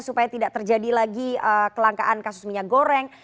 supaya tidak terjadi lagi kelangkaan kasus minyak goreng